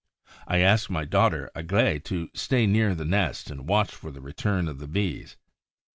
I asked my daughter Aglaé to stay near the nest and watch for the return of the Bees.